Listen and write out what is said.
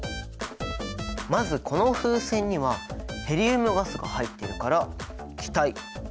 まずこの風船にはヘリウムガスが入っているから気体。